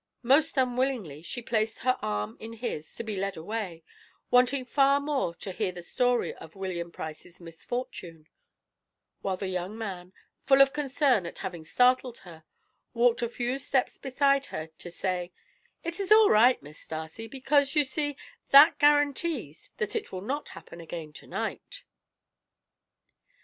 Most unwillingly she placed her arm in his to be led away, wanting far more to hear the history of William Price's misfortune; while the young man, full of concern at having startled her, walked a few steps beside her to say: "It is all right, Miss Darcy, because, you see, that guarantees that it will not happen again to night."